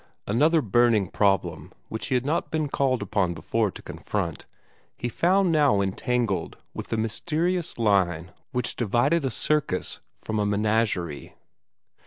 Another burning problem, which he had not been called upon before to confront, he found now entangled with the mysterious line which divided a circus from a menagerie.